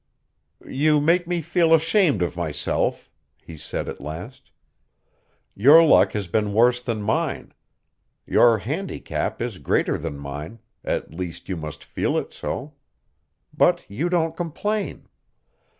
"You make me feel ashamed of myself," he said at last. "Your luck has been worse than mine. Your handicap is greater than mine at least you must feel it so. But you don't complain.